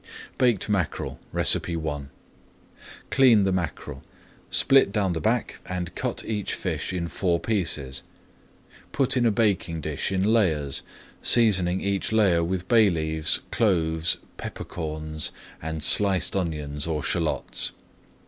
BAKED MACKEREL I Clean the mackerel, split down the back and cut each fish in four pieces. Put in a baking dish in layers, seasoning each layer with bay leaves, cloves, pepper corns, and sliced onions or shallots.